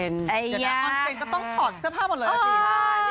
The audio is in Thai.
ตอนเซ็นก็ต้องถอดเสื้อผ้าหมดเลยอ่ะสิ